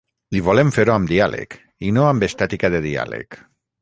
I volem fer-ho amb diàleg, i no amb estètica de diàleg.